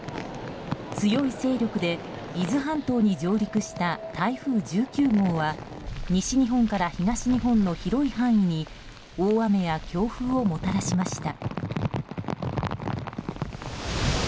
強い勢力で伊豆半島に上陸した台風１９号は西日本から東日本の広い範囲に大雨や強風をもたらしました。